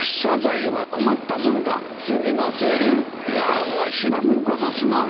いやわしの方こそすまん。